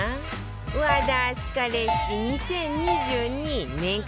和田明日香レシピ２０２２年間